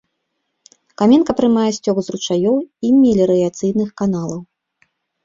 Каменка прымае сцёк з ручаёў і меліярацыйных каналаў.